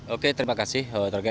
oke terima kasih